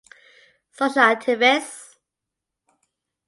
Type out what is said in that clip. Social activist.